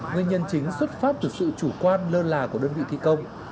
nguyên nhân chính xuất phát từ sự chủ quan lơ là của đơn vị thi công